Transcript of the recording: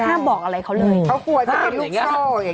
ห้ามบอกอะไรเขาเลยเขาควรจะเป็นลูกชอบ